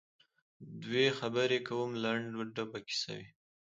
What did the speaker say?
دوی خبري کوم لنډه به کیسه وي